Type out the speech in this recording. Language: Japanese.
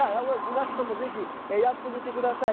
皆さんもぜひやってみてください。